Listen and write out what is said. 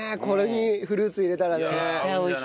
これにフルーツ入れたらね。